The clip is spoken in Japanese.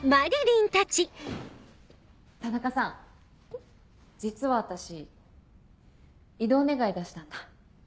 田中さん実は私異動願出したんだ。